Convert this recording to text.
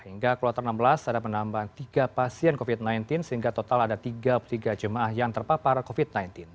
hingga kloter enam belas ada penambahan tiga pasien covid sembilan belas sehingga total ada tiga puluh tiga jemaah yang terpapar covid sembilan belas